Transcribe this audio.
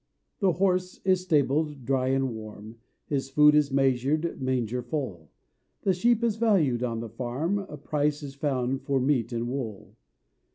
The horse is stabled, dry and warm, His food is measured, manger full; The sheep is valued on the farm, A price is found for meat and wool.